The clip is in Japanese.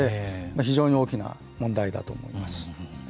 非常に大きな問題だと思います。